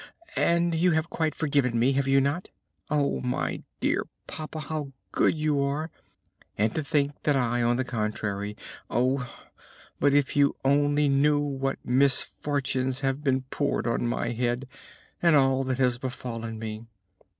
And you have quite forgiven me, have you not? Oh, my dear papa, how good you are! And to think that I, on the contrary Oh! but if you only knew what misfortunes have been poured on my head, and all that has befallen me!